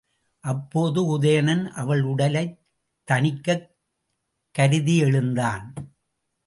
அப்போது உதயணன் அவள் ஊடலைத் தணிக்கக் கருதி எழுந்தான்.